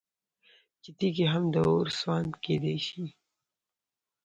چې تيږي هم د اور سوند كېدى شي